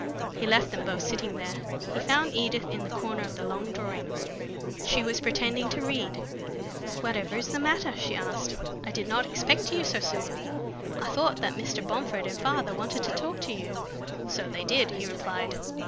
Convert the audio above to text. He left them both sitting there. He found Edith in a corner of the long drawing room. She was pretending to read. "Whatever is the matter?" she asked. "I did not expect you so soon. I thought that Mr. Bomford and father wanted to talk to you." "So they did," he replied.